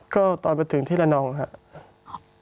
ก็ตอนไปถึงที่ระนองครับ